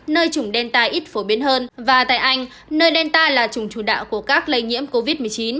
nơi chủng đen tai ít phổ biến hơn và tại anh nơi delta là chủng chủ đạo của các lây nhiễm covid một mươi chín